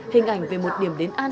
hình ảnh về một điểm đến an